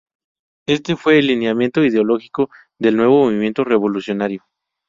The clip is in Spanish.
Este fue el lineamiento ideológico del nuevo movimiento revolucionario.